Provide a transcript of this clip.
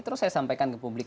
terus saya sampaikan ke publik